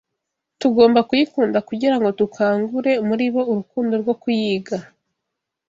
Tugomba kuyikunda kugira ngo dukangure muri bo urukundo rwo kuyiga.